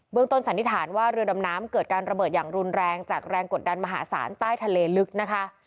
ต้นสันนิษฐานว่าเรือดำน้ำเกิดการระเบิดอย่างรุนแรงจากแรงกดดันมหาศาลใต้ทะเลลึกนะคะ